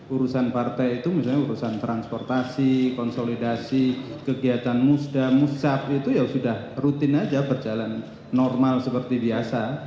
urusan partai itu misalnya urusan transportasi konsolidasi kegiatan musda musab itu ya sudah rutin aja berjalan normal seperti biasa